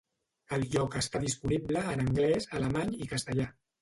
El lloc està disponible en anglès, alemany i castellà.